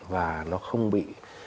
và nó không bị